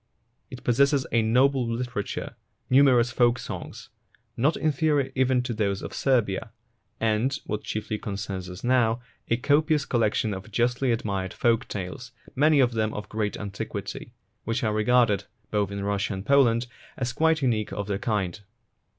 It possesses a noble litera ture, numerous folk songs, not inferior even to those of Serbia, and, what chiefly concerns us now, a copious collection of justly admired folk tales, many of them of great antiquity, which are regarded, both in Russia and Poland, as quite unique of their kind.